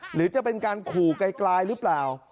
หรือจะเป็นการขู่ไกลหรือเปล่า